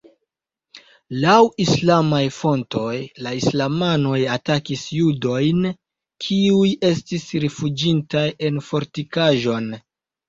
Laŭ islamaj fontoj, la islamanoj atakis judojn kiuj estis rifuĝintaj en fortikaĵon.